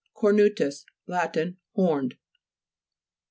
CORNU'TUS Lat. Horned.